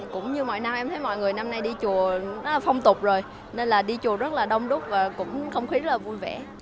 cũng như mọi năm em thấy mọi người năm nay đi chùa phong tục rồi nên là đi chùa rất là đông đúc và cũng không khí rất là vui vẻ